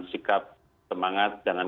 sikap semangat jangan